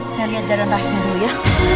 saya lihat jalan kaki dulu ya